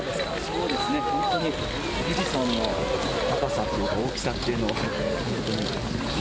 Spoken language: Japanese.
そうですね、本当に、富士山の高さっていうか、大きさっていうのを感じましたね。